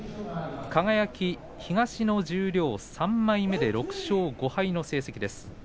輝、東の十両３枚目で６勝５敗の成績です。